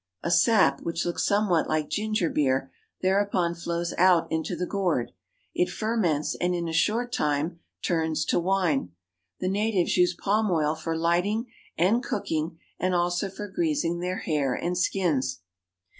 A sap, which looks somewhat like ginger , beer, thereupon flows out into the gourd. It ferments and in a short time turns to wine. The natives use palm oil for lighting and cooking, and also for greasing their hair and skins.